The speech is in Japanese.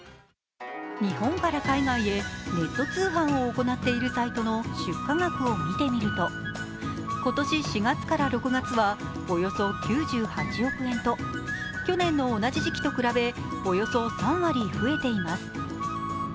日本から海外へネット通販を行っているサイトの出荷額を見てみると今年４月から６月はおよそ９８億円と去年の同じ時期と比べ、およそ３割増えています。